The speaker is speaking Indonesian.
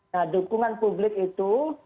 nah dukungan publik itu